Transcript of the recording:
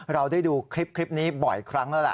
เราได้ดูคลิปนี้บ่อยครั้งแล้วล่ะ